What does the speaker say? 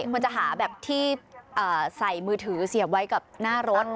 ควรจะหาแบบที่ใส่มือถือเสียบไว้กับหน้ารถ